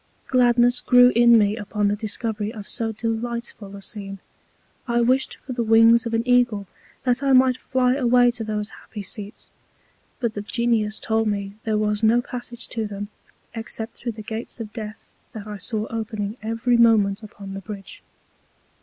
Gladness grew in me upon the Discovery of so delightful a Scene. I wished for the Wings of an Eagle, that I might fly away to those happy Seats; but the Genius told me there was no Passage to them, except through the Gates of Death that I saw opening every Moment upon the Bridge.